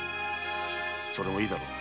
それもいいだろう。